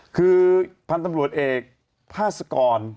คือพันธุ์ตำรวจเอกพาสกร